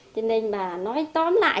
cho nên mà nói tóm lại